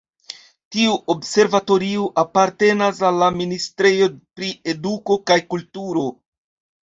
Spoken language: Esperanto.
Tiu observatorio apartenas al la Ministrejo pri Eduko kaj Kulturo.